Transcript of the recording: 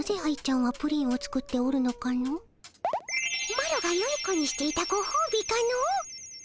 マロがよい子にしていたごほうびかの！